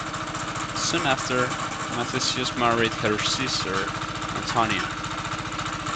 Soon after, Mathesius married her sister, Antonia.